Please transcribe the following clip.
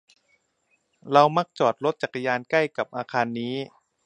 เรามักจอดรถจักรยานยนต์ใกล้กับอาคารนี้